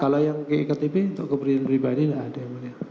kalau yang ke ektp atau ke pendidikan pribadi enggak ada yang mulia